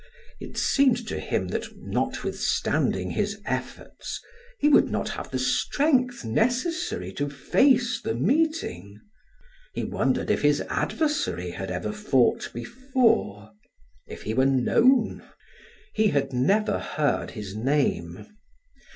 It seemed to him that notwithstanding his efforts, he would not have the strength necessary to face the meeting. He wondered if his adversary had ever fought before; if he were known? He had never heard his name.